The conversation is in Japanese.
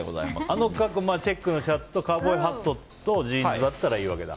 あの格好、チェックのシャツとカウボーイハットとジーンズだったらいいわけだ。